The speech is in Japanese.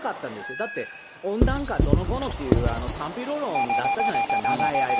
だって、温暖化どうのこうのっていう賛否両論だったじゃないですか、長い間。